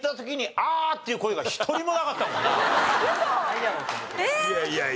いやいやいやいや。